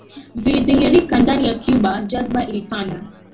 vilidhihirika ndani ya Cuba Jazba ilipanda